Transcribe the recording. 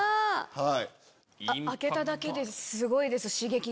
開けただけですごいです刺激が。